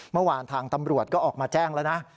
เมื่อวานทางตำรวจก็ออกมาแจ้งแล้วนะ